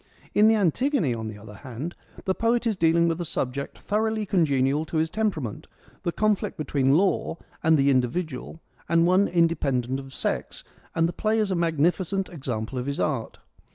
In the Antigone, on the other hand, the poet is dealing with a subject thoroughly congenial to his temperament, the conflict between law and the individual, and one independent of sex, and the play is a magnificent example of his art.